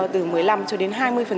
từ một mươi năm cho đến hai mươi